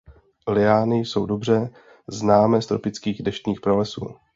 Liány jsou dobře známé z tropických deštných pralesů.